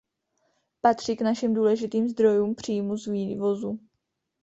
Patří k našim důležitým zdrojům příjmů z vývozu.